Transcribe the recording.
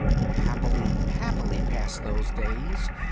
_" Happily, happily passed those days!